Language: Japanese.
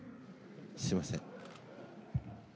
すみません。